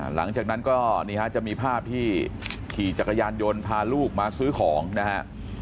หลังจากนั้นก็นี่ฮะจะมีภาพที่ขี่จักรยานยนต์พาลูกมาซื้อของนะฮะ